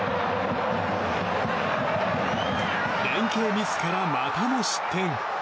連係ミスから、またも失点。